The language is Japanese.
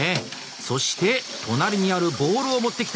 そして隣にあるボウルを持ってきた。